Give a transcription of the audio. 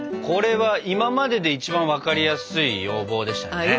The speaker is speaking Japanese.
これは今までで一番わかりやすい要望でしたね。